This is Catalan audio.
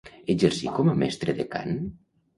Exercí com a mestre de cant?